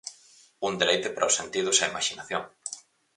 Un deleite para os sentidos e a imaxinación.